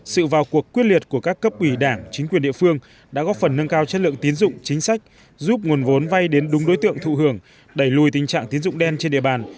sự vào cuộc quyết liệt của các cấp ủy đảng chính quyền địa phương đã góp phần nâng cao chất lượng tín dụng chính sách giúp nguồn vốn vay đến đúng đối tượng thụ hưởng đẩy lùi tình trạng tín dụng đen trên địa bàn